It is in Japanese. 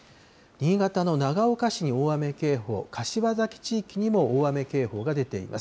新潟の長岡市に大雨警報、柏崎地域にも大雨警報が出ています。